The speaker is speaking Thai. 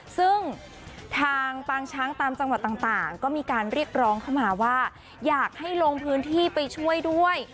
ซึ่งทางปางช้างตามจังหวัดต่างก็มีการเรียกร้องเข้ามาว่าอยากให้ลงพื้นที่ไปช่วยด้วย